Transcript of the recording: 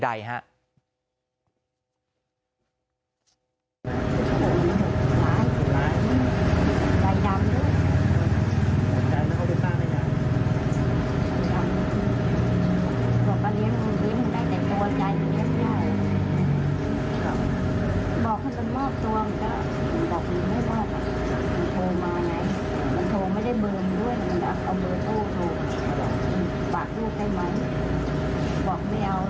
ฝากลูกได้ไหมบอกไม่เอา